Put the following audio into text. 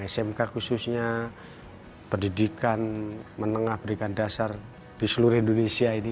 smk khususnya pendidikan menengah pendidikan dasar di seluruh indonesia ini